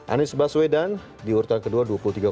anies baswedan di urutan kedua dua puluh tiga